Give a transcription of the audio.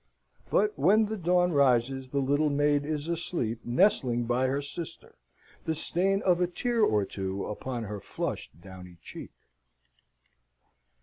But when the dawn rises, the little maid is asleep, nestling by her sister, the stain of a tear or two upon her flushed downy cheek.